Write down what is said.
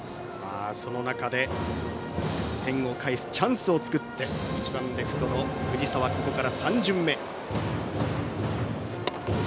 その中で、点を返すチャンスを作って打席には１番、レフトの藤澤ここから３巡目。